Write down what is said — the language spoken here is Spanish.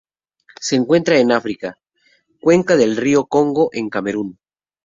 Se encuentran en África: cuenca del río Congo en Camerún.